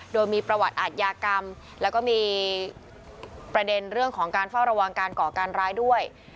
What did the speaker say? โดยมีประวัติอาทยากรรมแล้วก็มีประเด็นเรื่องของการเฝ้าระวังการก่อการร้ายด้วย